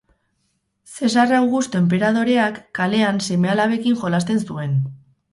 Zesar Augusto enperadoreak, kalean seme-alabekin jolasten zuen.